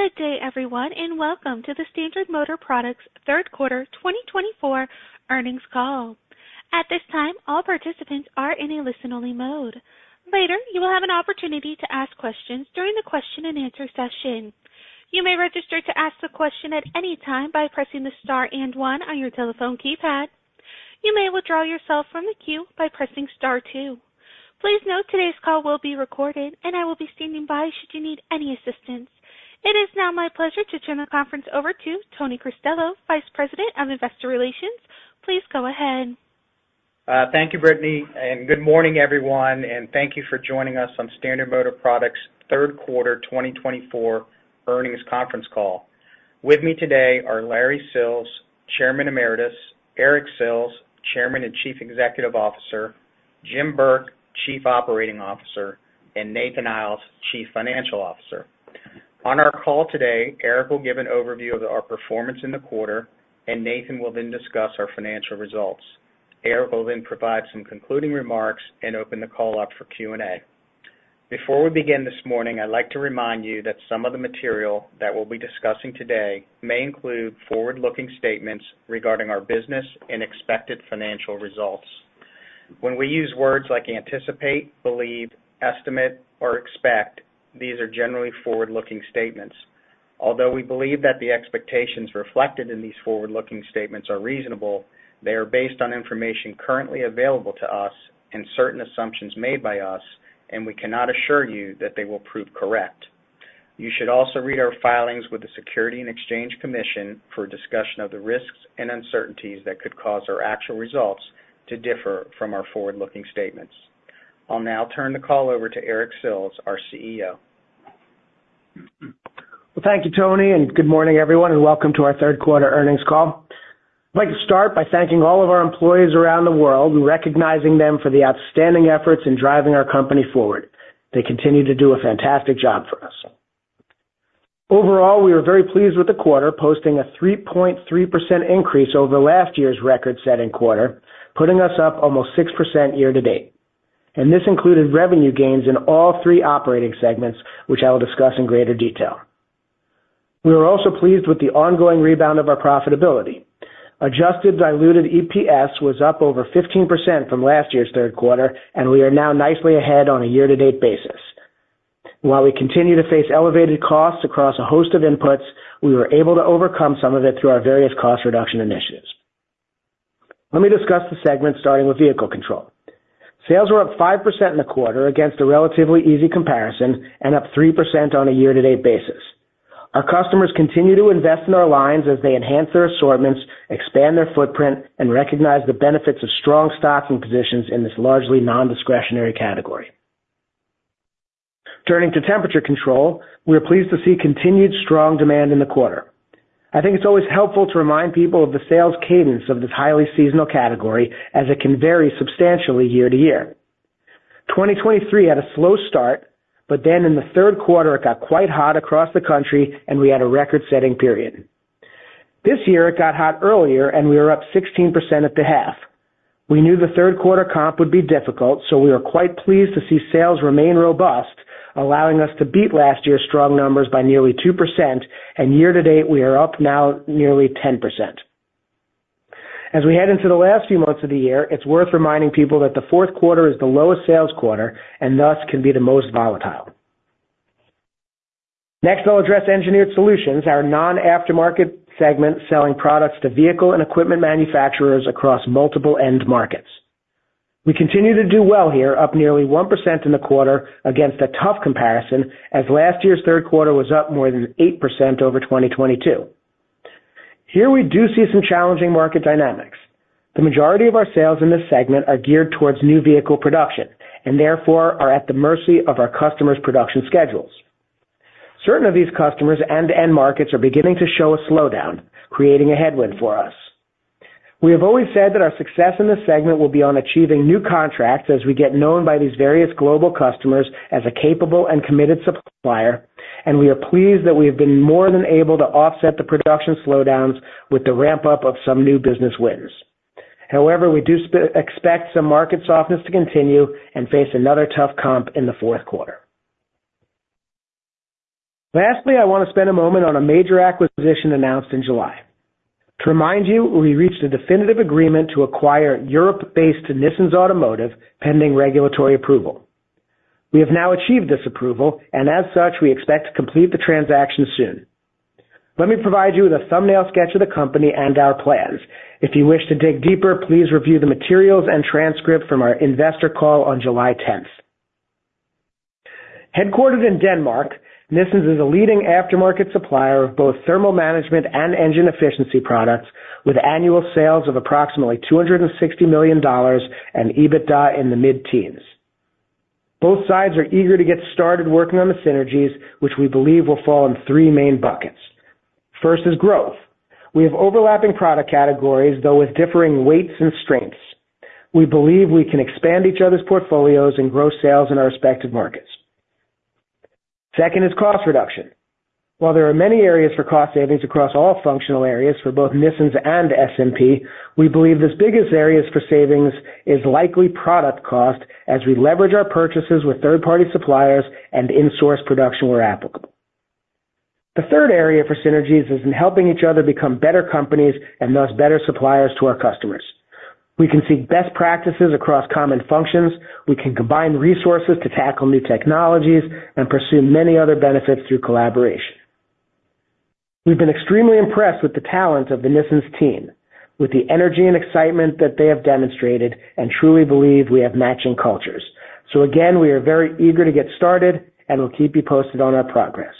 Good day, everyone, and welcome to the Standard Motor Products third quarter 2024 Earnings Call. At this time, all participants are in a listen-only mode. Later, you will have an opportunity to ask questions during the question-and-answer session. You may register to ask a question at any time by pressing the star and 1 on your telephone keypad. You may withdraw yourself from the queue by pressing star 2. Please note, today's call will be recorded, and I will be standing by should you need any assistance. It is now my pleasure to turn the conference over to Tony Cristello, Vice President of Investor Relations. Please go ahead. Thank you, Brittney, and good morning, everyone. Thank you for joining us on Standard Motor Products third quarter 2024 earnings conference call. With me today are Larry Sills, Chairman Emeritus, Eric Sills, Chairman and Chief Executive Officer, Jim Burke, Chief Operating Officer, and Nathan Iles, Chief Financial Officer. On our call today, Eric will give an overview of our performance in the quarter, and Nathan will then discuss our financial results. Eric will then provide some concluding remarks and open the call up for Q&A. Before we begin this morning, I'd like to remind you that some of the material that we'll be discussing today may include forward-looking statements regarding our business and expected financial results. When we use words like anticipate, believe, estimate, or expect, these are generally forward-looking statements. Although we believe that the expectations reflected in these forward-looking statements are reasonable, they are based on information currently available to us and certain assumptions made by us, and we cannot assure you that they will prove correct. You should also read our filings with the Securities and Exchange Commission for discussion of the risks and uncertainties that could cause our actual results to differ from our forward-looking statements. I'll now turn the call over to Eric Sills, our CEO. Thank you, Tony, and good morning, everyone, and welcome to our third quarter earnings call. I'd like to start by thanking all of our employees around the world and recognizing them for the outstanding efforts in driving our company forward. They continue to do a fantastic job for us. Overall, we are very pleased with the quarter, posting a 3.3% increase over last year's record-setting quarter, putting us up almost 6% year to date. And this included revenue gains in all three operating segments, which I will discuss in greater detail. We are also pleased with the ongoing rebound of our profitability. Adjusted diluted EPS was up over 15% from last year's third quarter, and we are now nicely ahead on a year-to-date basis. While we continue to face elevated costs across a host of inputs, we were able to overcome some of it through our various cost reduction initiatives. Let me discuss the segment starting with Vehicle Control. Sales were up 5% in the quarter against a relatively easy comparison and up 3% on a year-to-date basis. Our customers continue to invest in our lines as they enhance their assortments, expand their footprint, and recognize the benefits of strong stocking positions in this largely non-discretionary category. Turning to Temperature Control, we are pleased to see continued strong demand in the quarter. I think it's always helpful to remind people of the sales cadence of this highly seasonal category as it can vary substantially year to year. 2023 had a slow start, but then in the third quarter, it got quite hot across the country, and we had a record-setting period. This year, it got hot earlier, and we were up 16% at the half. We knew the third quarter comp would be difficult, so we were quite pleased to see sales remain robust, allowing us to beat last year's strong numbers by nearly 2%, and year to date, we are up now nearly 10%. As we head into the last few months of the year, it's worth reminding people that the fourth quarter is the lowest sales quarter and thus can be the most volatile. Next, I'll address Engineered Solutions, our non-aftermarket segment selling products to vehicle and equipment manufacturers across multiple end markets. We continue to do well here, up nearly one% in the quarter against a tough comparison as last year's third quarter was up more than eight% over 2022. Here, we do see some challenging market dynamics. The majority of our sales in this segment are geared towards new vehicle production and therefore are at the mercy of our customers' production schedules. Certain of these customers and end markets are beginning to show a slowdown, creating a headwind for us. We have always said that our success in this segment will be on achieving new contracts as we get known by these various global customers as a capable and committed supplier, and we are pleased that we have been more than able to offset the production slowdowns with the ramp-up of some new business wins. However, we do expect some market softness to continue and face another tough comp in the fourth quarter. Lastly, I want to spend a moment on a major acquisition announced in July. To remind you, we reached a definitive agreement to acquire Europe-based Nissens Automotive pending regulatory approval. We have now achieved this approval, and as such, we expect to complete the transaction soon. Let me provide you with a thumbnail sketch of the company and our plans. If you wish to dig deeper, please review the materials and transcript from our investor call on July 10th. Headquartered in Denmark, Nissens is a leading aftermarket supplier of both thermal management and engine efficiency products with annual sales of approximately $260 million and EBITDA in the mid-teens. Both sides are eager to get started working on the synergies, which we believe will fall in three main buckets. First is growth. We have overlapping product categories, though with differing weights and strengths. We believe we can expand each other's portfolios and grow sales in our respective markets. Second is cost reduction. While there are many areas for cost savings across all functional areas for both Nissens and SMP, we believe the biggest areas for savings is likely product cost as we leverage our purchases with third-party suppliers and in-source production where applicable. The third area for synergies is in helping each other become better companies and thus better suppliers to our customers. We can seek best practices across common functions. We can combine resources to tackle new technologies and pursue many other benefits through collaboration. We've been extremely impressed with the talent of the Nissens team, with the energy and excitement that they have demonstrated, and truly believe we have matching cultures. So again, we are very eager to get started and will keep you posted on our progress.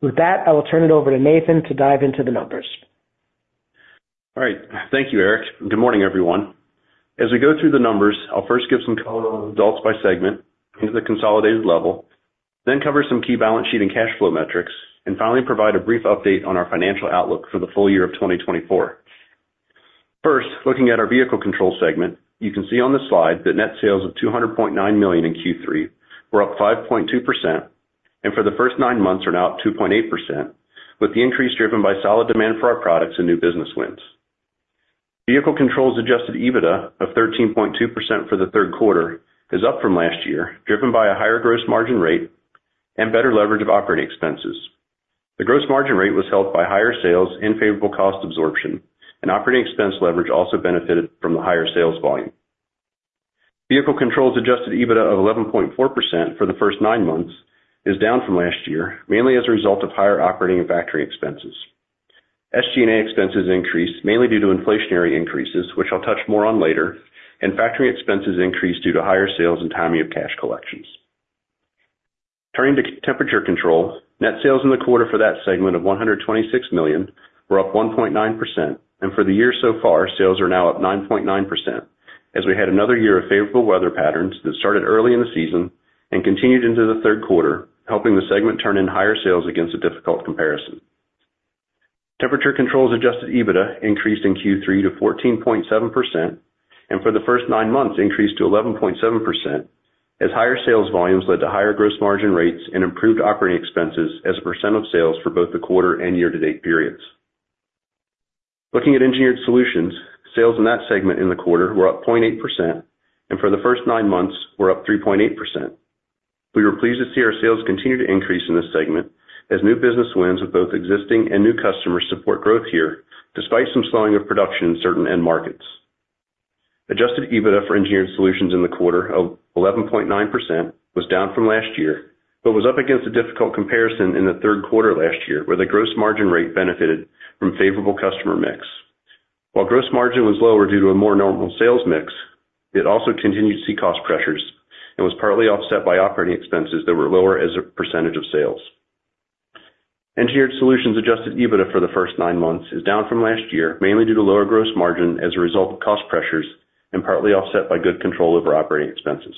With that, I will turn it over to Nathan to dive into the numbers. All right. Thank you, Eric. Good morning, everyone. As we go through the numbers, I'll first give some color results by segment, the consolidated level, then cover some key balance sheet and cash flow metrics, and finally provide a brief update on our financial outlook for the full year of 2024. First, looking at our Vehicle Control segment, you can see on the slide that net sales of $200.9 million in Q3 were up 5.2%, and for the first nine months are now up 2.8%, with the increase driven by solid demand for our products and new business wins. Vehicle Control's Adjusted EBITDA of 13.2% for the third quarter is up from last year, driven by a higher gross margin rate and better leverage of operating expenses. The gross margin rate was held by higher sales and favorable cost absorption, and operating expense leverage also benefited from the higher sales volume. Vehicle Control's Adjusted EBITDA of 11.4% for the first nine months is down from last year, mainly as a result of higher operating and factory expenses. SG&A expenses increased mainly due to inflationary increases, which I'll touch more on later, and factory expenses increased due to higher sales and timing of cash collections. Turning to Temperature Control, net sales in the quarter for that segment of $126 million were up 1.9%, and for the year so far, sales are now up 9.9% as we had another year of favorable weather patterns that started early in the season and continued into the third quarter, helping the segment turn in higher sales against a difficult comparison. Temperature Control's Adjusted EBITDA increased in Q3 to 14.7%, and for the first nine months, increased to 11.7% as higher sales volumes led to higher gross margin rates and improved operating expenses as a percent of sales for both the quarter and year-to-date periods. Looking at Engineered Solutions, sales in that segment in the quarter were up 0.8%, and for the first nine months, were up 3.8%. We were pleased to see our sales continue to increase in this segment as new business wins with both existing and new customers support growth here, despite some slowing of production in certain end markets. Adjusted EBITDA for Engineered Solutions in the quarter of 11.9% was down from last year, but was up against a difficult comparison in the third quarter last year where the gross margin rate benefited from favorable customer mix. While gross margin was lower due to a more normal sales mix, it also continued to see cost pressures and was partly offset by operating expenses that were lower as a percentage of sales. Engineered Solutions Adjusted EBITDA for the first nine months is down from last year, mainly due to lower gross margin as a result of cost pressures and partly offset by good control over operating expenses.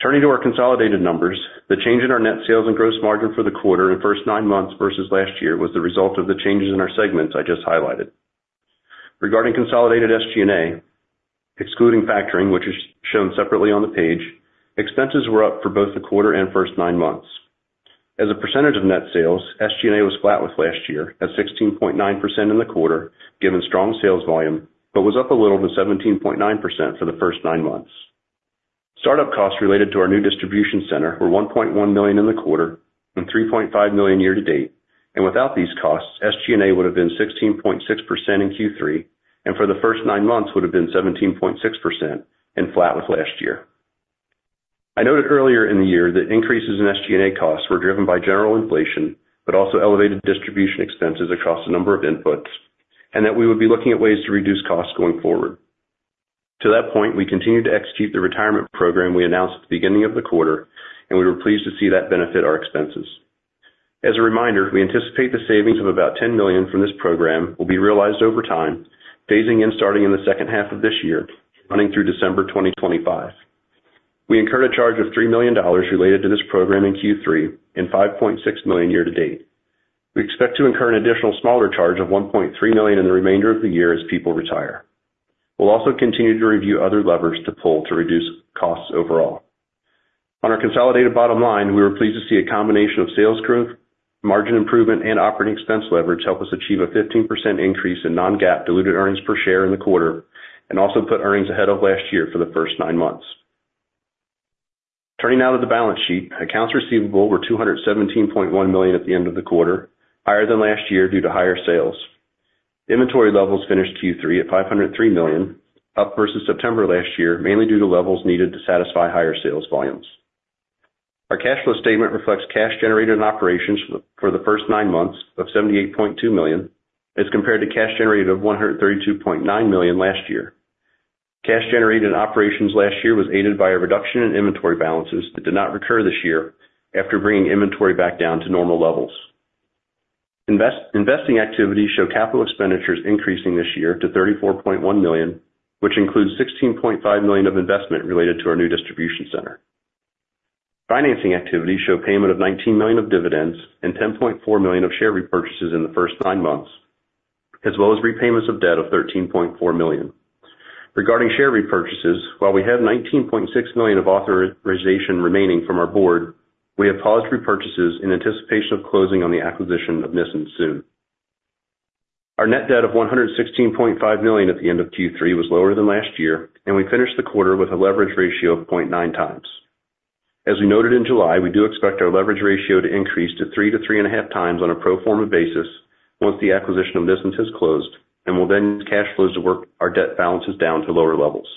Turning to our consolidated numbers, the change in our net sales and gross margin for the quarter and first nine months versus last year was the result of the changes in our segments I just highlighted. Regarding consolidated SG&A, excluding factoring, which is shown separately on the page, expenses were up for both the quarter and first nine months. As a percentage of net sales, SG&A was flat with last year at 16.9% in the quarter given strong sales volume, but was up a little to 17.9% for the first nine months. Startup costs related to our new distribution center were $1.1 million in the quarter and $3.5 million year to date, and without these costs, SG&A would have been 16.6% in Q3 and for the first nine months would have been 17.6% and flat with last year. I noted earlier in the year that increases in SG&A costs were driven by general inflation, but also elevated distribution expenses across a number of inputs, and that we would be looking at ways to reduce costs going forward. To that point, we continued to execute the retirement program we announced at the beginning of the quarter, and we were pleased to see that benefit our expenses. As a reminder, we anticipate the savings of about $10 million from this program will be realized over time, phasing in starting in the second half of this year, running through December 2025. We incurred a charge of $3 million related to this program in Q3 and $5.6 million year to date. We expect to incur an additional smaller charge of $1.3 million in the remainder of the year as people retire. We'll also continue to review other levers to pull to reduce costs overall. On our consolidated bottom line, we were pleased to see a combination of sales growth, margin improvement, and operating expense leverage help us achieve a 15% increase in non-GAAP diluted earnings per share in the quarter and also put earnings ahead of last year for the first nine months. Turning now to the balance sheet, accounts receivable were $217.1 million at the end of the quarter, higher than last year due to higher sales. Inventory levels finished Q3 at $503 million, up versus September last year, mainly due to levels needed to satisfy higher sales volumes. Our cash flow statement reflects cash generated in operations for the first nine months of $78.2 million as compared to cash generated of $132.9 million last year. Cash generated in operations last year was aided by a reduction in inventory balances that did not recur this year after bringing inventory back down to normal levels. Investing activity showed capital expenditures increasing this year to $34.1 million, which includes $16.5 million of investment related to our new distribution center. Financing activity showed payment of $19 million of dividends and $10.4 million of share repurchases in the first nine months, as well as repayments of debt of $13.4 million. Regarding share repurchases, while we have $19.6 million of authorization remaining from our board, we have paused repurchases in anticipation of closing on the acquisition of Nissens soon. Our net debt of $116.5 million at the end of Q3 was lower than last year, and we finished the quarter with a leverage ratio of 0.9 times. As we noted in July, we do expect our leverage ratio to increase to three to three and a half times on a pro forma basis once the acquisition of Nissens has closed, and we'll then use cash flows to work our debt balances down to lower levels.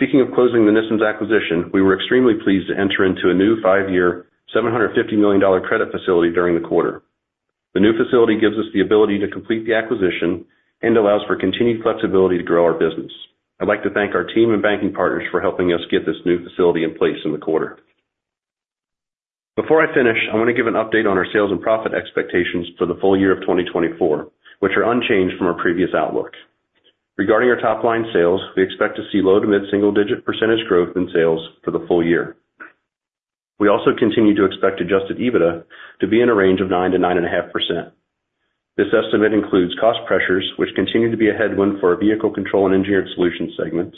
Speaking of closing the Nissens acquisition, we were extremely pleased to enter into a new five-year $750 million credit facility during the quarter. The new facility gives us the ability to complete the acquisition and allows for continued flexibility to grow our business. I'd like to thank our team and banking partners for helping us get this new facility in place in the quarter. Before I finish, I want to give an update on our sales and profit expectations for the full year of 2024, which are unchanged from our previous outlook. Regarding our top-line sales, we expect to see low to mid-single-digit percentage growth in sales for the full year. We also continue to expect Adjusted EBITDA to be in a range of 9-9.5%. This estimate includes cost pressures, which continue to be a headwind for our Vehicle Control and Engineered Solutions segments,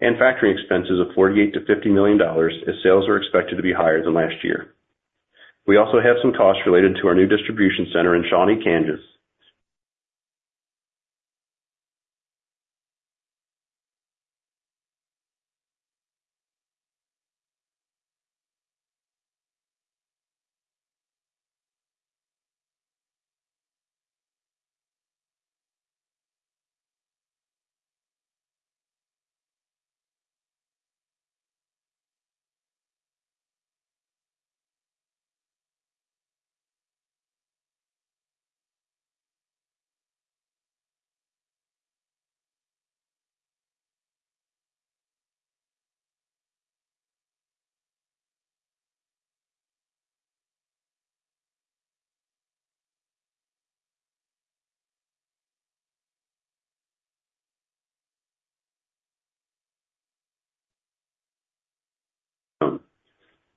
and factory expenses of $48-$50 million as sales are expected to be higher than last year. We also have some costs related to our new distribution center in Shawnee, Kansas.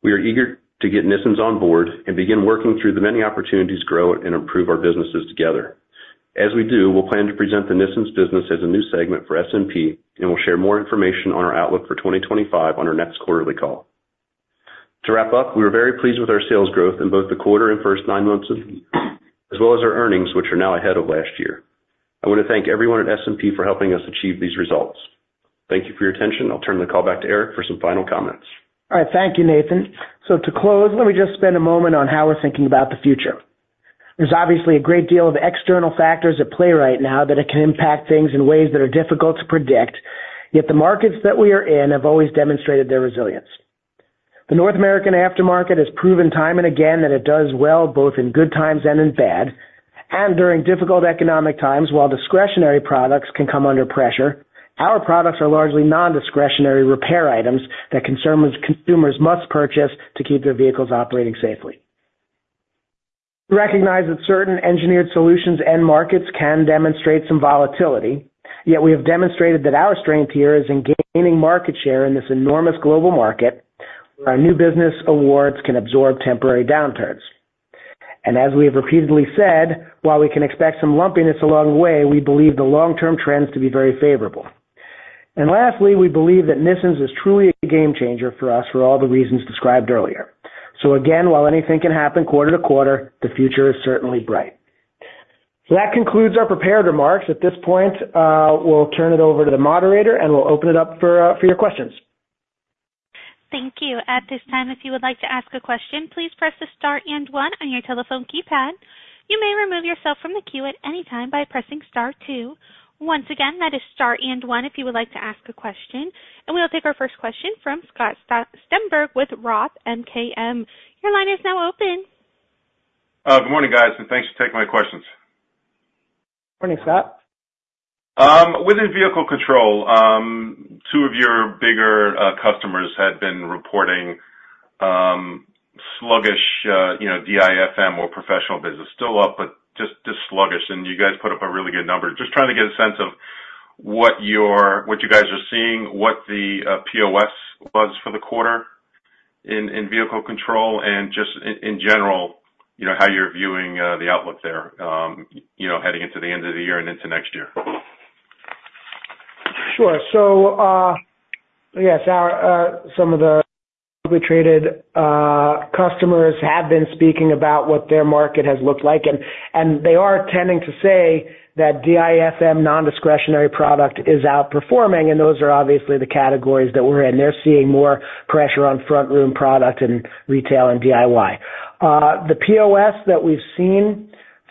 We are eager to get Nissens on board and begin working through the many opportunities to grow and improve our businesses together. As we do, we'll plan to present the Nissens business as a new segment for SMP and will share more information on our outlook for 2025 on our next quarterly call. To wrap up, we were very pleased with our sales growth in both the quarter and first nine months, as well as our earnings, which are now ahead of last year. I want to thank everyone at SMP for helping us achieve these results. Thank you for your attention. I'll turn the call back to Eric for some final comments. All right. Thank you, Nathan. So to close, let me just spend a moment on how we're thinking about the future. There's obviously a great deal of external factors at play right now that can impact things in ways that are difficult to predict, yet the markets that we are in have always demonstrated their resilience. The North American aftermarket has proven time and again that it does well both in good times and in bad and during difficult economic times. While discretionary products can come under pressure, our products are largely non-discretionary repair items that consumers must purchase to keep their vehicles operating safely. We recognize that certain Engineered Solutions end markets can demonstrate some volatility, yet we have demonstrated that our strength here is in gaining market share in this enormous global market where our new business awards can absorb temporary downturns. And as we have repeatedly said, while we can expect some lumpiness along the way, we believe the long-term trends to be very favorable. And lastly, we believe that Nissens is truly a game changer for us for all the reasons described earlier. So again, while anything can happen quarter to quarter, the future is certainly bright. So that concludes our prepared remarks. At this point, we'll turn it over to the moderator and we'll open it up for your questions. Thank you. At this time, if you would like to ask a question, please press the star and one on your telephone keypad. You may remove yourself from the queue at any time by pressing star two. Once again, that is star and one if you would like to ask a question. And we'll take our first question from Scott Stember with Roth MKM. Your line is now open. Good morning, guys, and thanks for taking my questions. Morning, Scott. Within Vehicle Control, two of your bigger customers had been reporting sluggish DIFM or professional business. Still up, but just sluggish. And you guys put up a really good number. Just trying to get a sense of what you guys are seeing, what the POS was for the quarter in Vehicle Control, and just in general, how you're viewing the outlook there heading into the end of the year and into next year. Sure. So yes, some of the trade customers have been speaking about what their market has looked like, and they are tending to say that DIFM non-discretionary product is outperforming, and those are obviously the categories that we're in. They're seeing more pressure on front-room product and retail and DIY. The POS that we've seen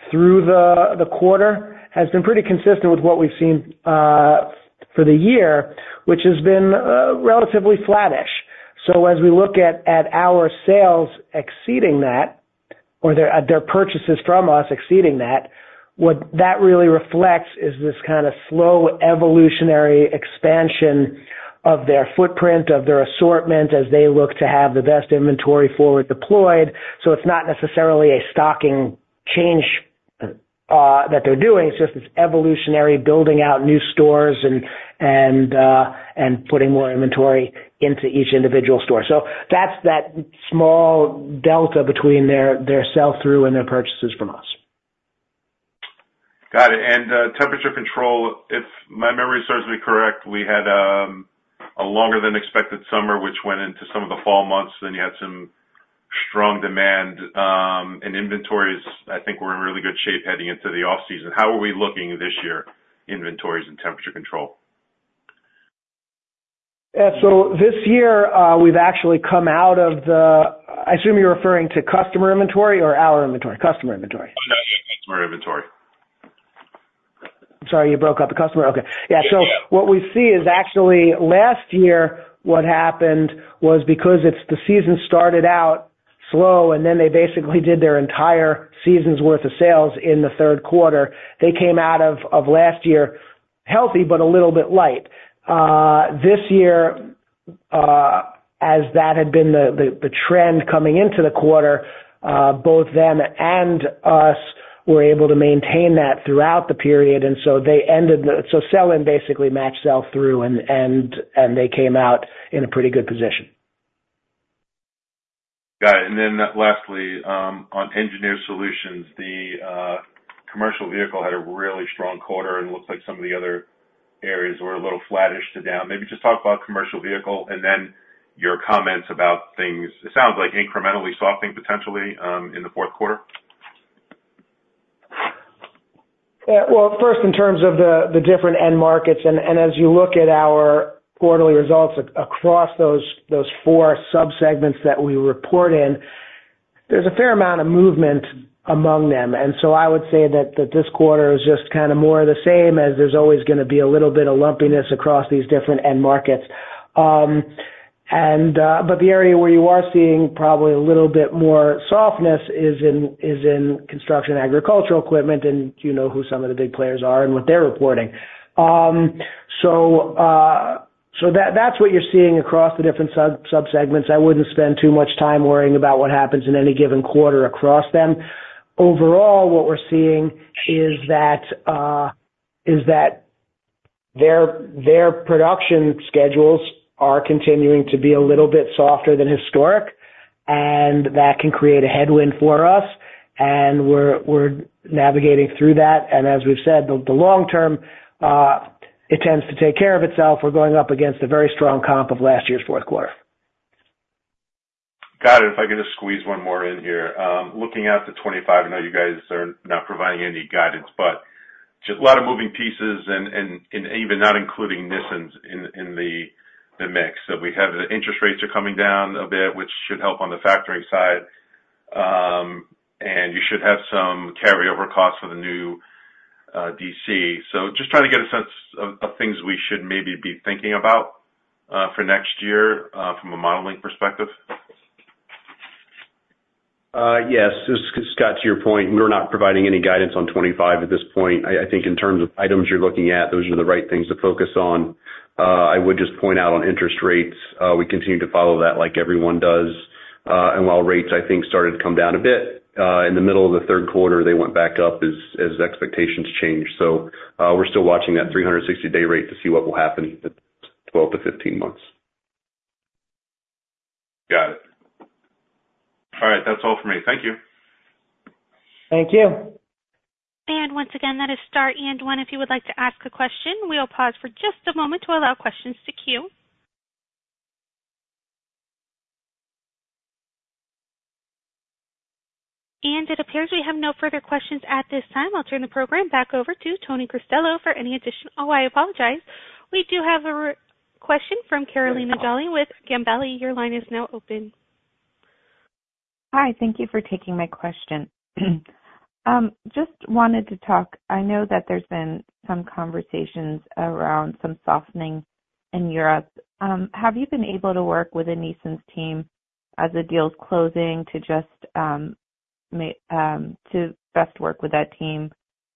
through the quarter has been pretty consistent with what we've seen for the year, which has been relatively flattish. So as we look at our sales exceeding that, or their purchases from us exceeding that, what that really reflects is this kind of slow evolutionary expansion of their footprint, of their assortment as they look to have the best inventory forward deployed. So it's not necessarily a stocking change that they're doing. It's just this evolutionary building out new stores and putting more inventory into each individual store. So that's that small delta between their sell-through and their purchases from us. Got it. And Temperature Control, if my memory serves me correct, we had a longer-than-expected summer, which went into some of the fall months. Then you had some strong demand, and inventories, I think, were in really good shape heading into the off-season. How are we looking this year, inventories and Temperature Control? Yeah. So this year, we've actually come out of the, I assume you're referring to customer inventory or our inventory? Customer inventory. Oh, no. Yeah, customer inventory. I'm sorry. You broke up. The customer? Okay. Yeah. So what we see is actually last year, what happened was because the season started out slow, and then they basically did their entire season's worth of sales in the third quarter. They came out of last year healthy, but a little bit light. This year, as that had been the trend coming into the quarter, both them and us were able to maintain that throughout the period. And so they ended, so sell-in basically matched sell-through, and they came out in a pretty good position. Got it. And then lastly, on Engineered Solutions, the commercial vehicle had a really strong quarter, and it looks like some of the other areas were a little flattish to down. Maybe just talk about commercial vehicle and then your comments about things, it sounds like incrementally softening potentially in the fourth quarter. Yeah. Well, first, in terms of the different end markets, and as you look at our quarterly results across those four subsegments that we report in, there's a fair amount of movement among them. And so I would say that this quarter is just kind of more of the same, as there's always going to be a little bit of lumpiness across these different end markets. But the area where you are seeing probably a little bit more softness is in construction, agricultural equipment, and you know who some of the big players are and what they're reporting. So that's what you're seeing across the different subsegments. I wouldn't spend too much time worrying about what happens in any given quarter across them. Overall, what we're seeing is that their production schedules are continuing to be a little bit softer than historic, and that can create a headwind for us. We're navigating through that. As we've said, the long term, it tends to take care of itself. We're going up against a very strong comp of last year's fourth quarter. Got it. If I could just squeeze one more in here. Looking at the 2025, I know you guys are not providing any guidance, but just a lot of moving pieces, and even not including Nissens in the mix. So we have the interest rates are coming down a bit, which should help on the factoring side. And you should have some carryover costs for the new DC. So just trying to get a sense of things we should maybe be thinking about for next year from a modeling perspective. Yes. Scott, to your point, we're not providing any guidance on 2025 at this point. I think in terms of items you're looking at, those are the right things to focus on. I would just point out on interest rates, we continue to follow that like everyone does, and while rates, I think, started to come down a bit in the middle of the third quarter, they went back up as expectations changed, so we're still watching that 360-day rate to see what will happen in 12-15 months. Got it. All right. That's all for me. Thank you. Thank you. And once again, that is star and one. If you would like to ask a question, we'll pause for just a moment to allow questions to queue. And it appears we have no further questions at this time. I'll turn the program back over to Tony Cristello for any additional. Oh, I apologize. We do have a question from Carolyn Jollywith Gabelli. Your line is now open. Hi. Thank you for taking my question. Just wanted to talk. I know that there's been some conversations around some softening in Europe. Have you been able to work with the Nissens' team as the deal's closing to best work with that team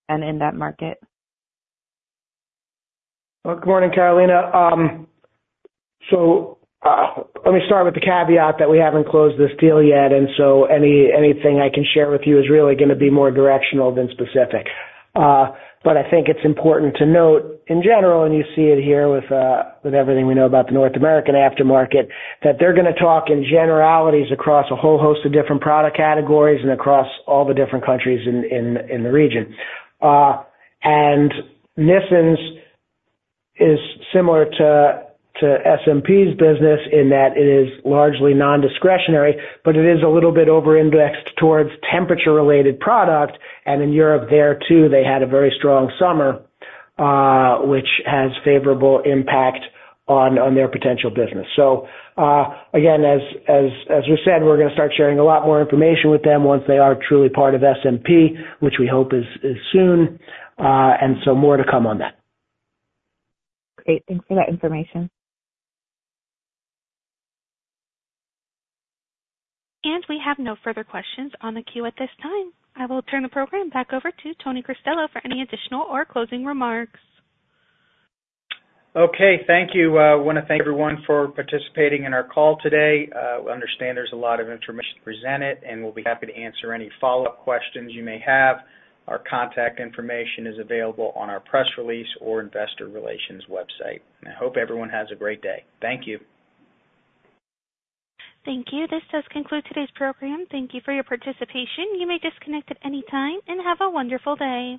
and in that market? Good morning, Carolina. Let me start with the caveat that we haven't closed this deal yet. So anything I can share with you is really going to be more directional than specific. I think it's important to note, in general, and you see it here with everything we know about the North American aftermarket, that they're going to talk in generalities across a whole host of different product categories and across all the different countries in the region. Nissens is similar to SMP's business in that it is largely non-discretionary, but it is a little bit over-indexed towards temperature-related product. In Europe there, too, they had a very strong summer, which has a favorable impact on their potential business. Again, as we said, we're going to start sharing a lot more information with them once they are truly part of SMP, which we hope is soon. More to come on that. Great. Thanks for that information. We have no further questions on the queue at this time. I will turn the program back over to Tony Cristello for any additional or closing remarks. Okay. Thank you. I want to thank everyone for participating in our call today. We understand there's a lot of information presented, and we'll be happy to answer any follow-up questions you may have. Our contact information is available on our press release or investor relations website. And I hope everyone has a great day. Thank you. Thank you. This does conclude today's program. Thank you for your participation. You may disconnect at any time and have a wonderful day.